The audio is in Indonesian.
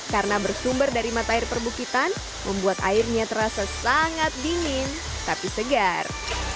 karena bersumber dari mata air perbukitan membuat airnya terasa sangat dingin tapi segar